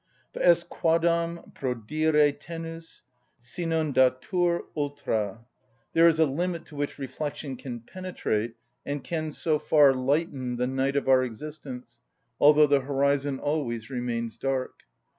But est quadam prodire tenus, si non datur ultra: there is a limit to which reflection can penetrate and can so far lighten the night of our existence, although the horizon always remains dark.